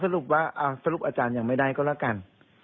สรุปว่าสรุปอาจารย์ยังไม่ได้ก็แล้วกัน